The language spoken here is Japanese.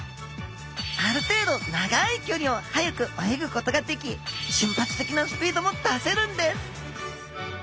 ある程度長いきょりを速く泳ぐことができ瞬発的なスピードも出せるんです